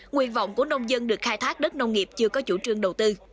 nguyện vọng của nông dân được khai thác đất nông nghiệp chưa có chủ trương đầu tư